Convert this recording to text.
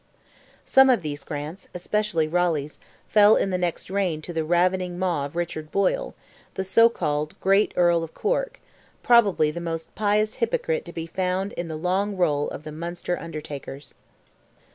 Some of these grants, especially Raleigh's, fell in the next reign into the ravening maw of Richard Boyle, the so called "great Earl of Cork"—probably the most pious hypocrite to be found in the long roll of the "Munster Undertakers."